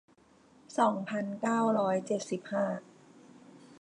สองพันเก้าร้อยเจ็ดสิบห้า